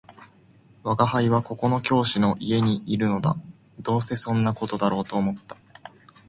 「吾輩はここの教師の家にいるのだ」「どうせそんな事だろうと思った